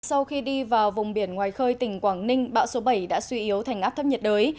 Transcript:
sau khi đi vào vùng biển ngoài khơi tỉnh quảng ninh bão số bảy đã suy yếu thành áp thấp nhiệt đới